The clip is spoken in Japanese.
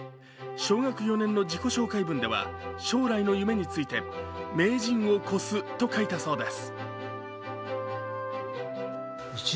小学４年の自己紹介文では将来の夢について「名人をこす」と書いたそうです。